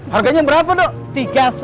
harganya berapa dok